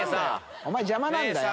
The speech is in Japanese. お前邪魔なんだよ。